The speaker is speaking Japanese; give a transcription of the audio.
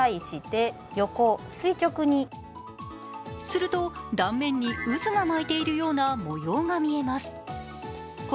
すると、断面に渦が巻いているような模様が見えます。